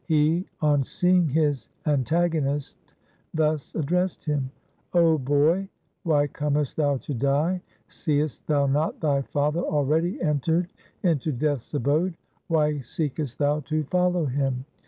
He, on seeing his antag onist, thus addressed him :' O boy, why comest thou to die ? Seest thou not thy father already entered into Death's abode ? Why seekest thou to follow him